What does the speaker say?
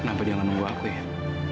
kenapa dia gak nunggu aku ian